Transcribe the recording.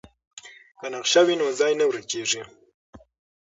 که نقشه وي نو ځای نه ورکیږي.